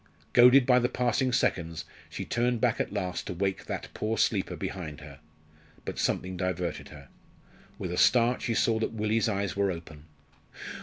Goaded by the passing seconds, she turned back at last to wake that poor sleeper behind her. But something diverted her. With a start she saw that Willie's eyes were open.